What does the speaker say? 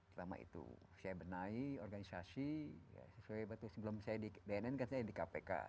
pertama itu saya benahi organisasi sebelum saya di bnn kan saya di kpk